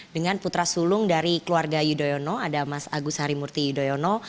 dengan putra sulung dari keluarga yudhoyono ada mas agus harimurti yudhoyono